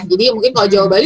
jadi mungkin kalau jawa bali